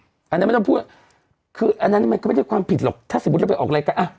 อันนั้นไม่ต้องพูดคืออันนั้นมันก็ไม่ได้ความผิดหรอกถ้าสมมุติเราไปออกรายการอ่ะ